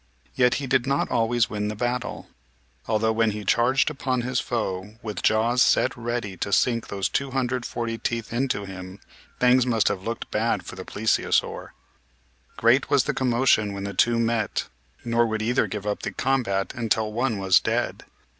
Yet he did not always win the battle, although when he charged upon his foe with jaws set ready to sink those two hundred forty teeth 70 MIGHTY ANIMALS into him, things must have looked bad for the Plesiosaur. Great was the commotion when the two met, nor would either give up the combat until one was dead.